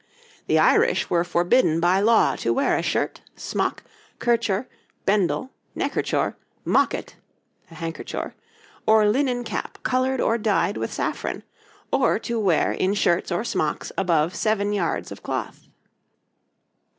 The Irish were forbidden by law to wear a shirt, smock, kerchor, bendel, neckerchor, mocket (a handkerchor), or linen cap coloured or dyed with saffron; or to wear in shirts or smocks above seven yards of cloth.